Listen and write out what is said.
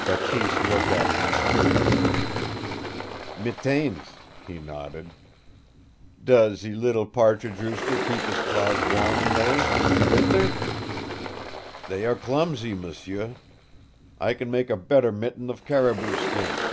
Bateese looked at them curiously. "Mitaines," he nodded. "Does ze little partridge rooster keep his claws warm in those in ze winter? They are clumsy, m'sieu. I can make a better mitten of caribou skin."